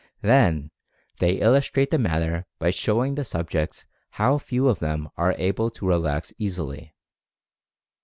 Then they illustrate the matter by showing the sub jects how few of them are able to relax easily.